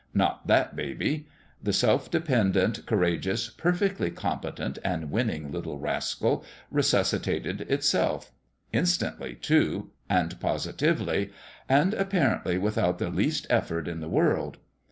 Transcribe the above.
Not that baby 1 The self dependent, courageous, perfectly competent and winning little rascal resuscitated itself. Instantly, too and posi tively and apparently without the least effort in the world.